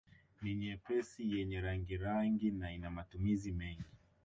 Ni nyepesi yenye rangirangi na ina matumizi mengi